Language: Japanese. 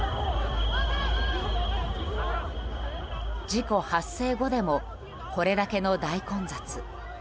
事故発生後でもこれだけの大混雑。